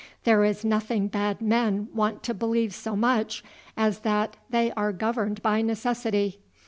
There is nothing bad men want to believe so much as that they are governed by necessity.